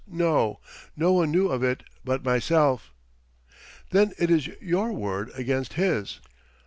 no; no one knew of it but myself." "Then it is your word against his.